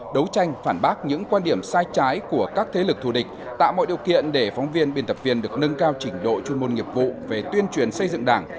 đấu tranh phản bác những quan điểm sai trái của các thế lực thù địch tạo mọi điều kiện để phóng viên biên tập viên được nâng cao trình độ chuyên môn nghiệp vụ về tuyên truyền xây dựng đảng